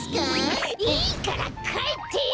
いいからかえってよ！